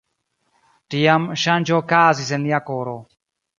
Tiam ŝanĝo okazis en lia koro.